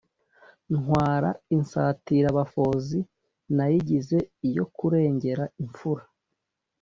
ntwara insatirabafozi, nayigize iyo kurengera imfura.